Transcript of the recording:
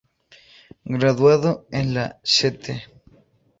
Graduado en la St.